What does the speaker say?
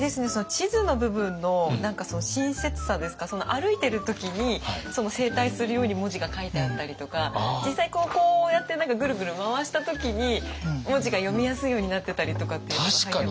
地図の部分の親切さですか歩いてる時に正対するように文字が書いてあったりとか実際こうやってぐるぐる回した時に文字が読みやすいようになってたりとかっていうのが入ってます。